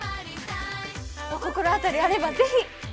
お心当たりあればぜひ！